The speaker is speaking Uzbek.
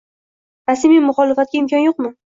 Rasmiy muxolifatga imkon yo‘qmi?